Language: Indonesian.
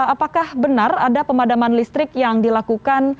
apakah benar ada pemadaman listrik yang dilakukan